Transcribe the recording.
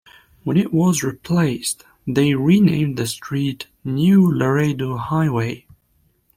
When it was replaced, they renamed the street New Laredo Highway.